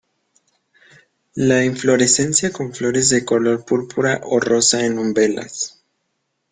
La inflorescencia con flores de color púrpura o rosa en umbelas.